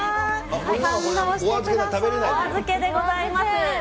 お預けでございます。